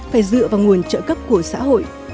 phải dựa vào nguồn trợ cấp của xã hội